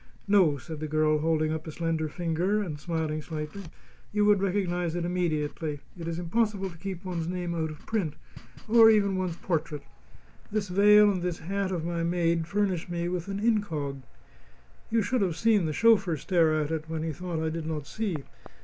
"No," said the girl, holding up a slender finger, and smiling slightly. "You would recognize it immediately. It is impossible to keep one's name out of print. Or even one's portrait. This veil and this hat of my maid furnish me with an incog. You should have seen the chauffeur stare at it when he thought I did not see.